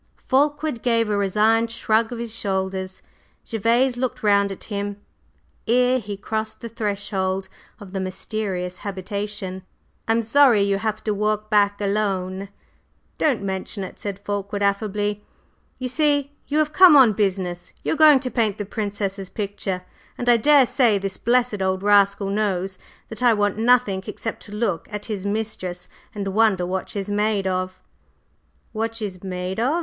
_" Fulkeward gave a resigned shrug of his shoulders; Gervase looked round at him ere he crossed the threshold of the mysterious habitation. "I'm sorry you have to walk back alone." "Don't mention it," said Fulkeward affably. "You see, you have come on business. You're going to paint the Princess's picture; and I daresay this blessed old rascal knows that I want nothing except to look at his mistress and wonder what she's made of." "What she's made of?"